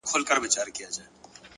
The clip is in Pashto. زغم د بریا اوږده لاره لنډوي,